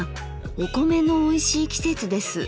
お米のおいしい季節です。